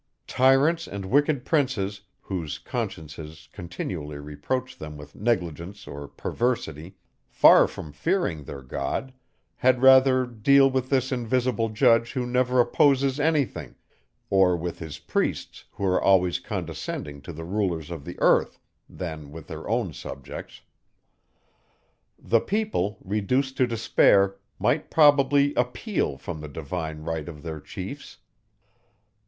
Tyrants and wicked princes, whose consciences continually reproach them with negligence or perversity, far from fearing their God, had rather deal with this invisible judge who never opposes any thing, or with his priests who are always condescending to the rulers of the earth, than with their own subjects. The people, reduced to despair, might probably appeal from the divine right of their chiefs.